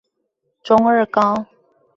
中二高